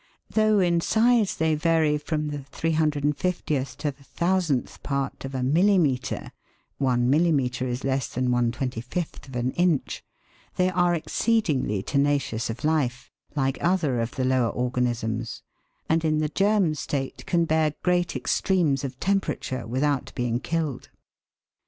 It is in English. Though in size they vary from the 35oth to the i,oooth part of a millimetre ](one mtllimHrt is less than V tn f an inch) they are exceedingly tenacious of life, like other of the lower organisms, and in the germ state can bear great extremes of temperature without being killed.